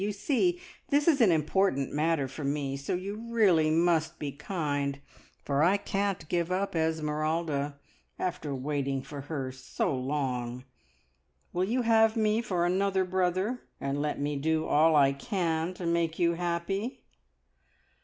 You see this is an important matter for me, so you really must be kind, for I can't give up Esmeralda, after waiting for her so long. Will you have me for another brother, and let me do all I can to make you happy?"